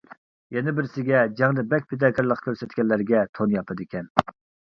يەنە بىرسىگە جەڭدە بەك پىداكارلىق كۆرسەتكەنلەرگە تون ياپىدىكەن.